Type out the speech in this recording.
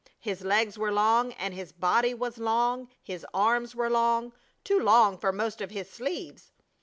His legs were long, and his body was long, his arms were long, too long for most of his sleeves.